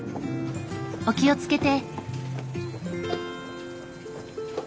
お気をつけて！